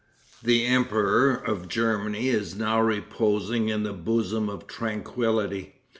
"The Emperor of Germany is now reposing in the bosom of tranquillity.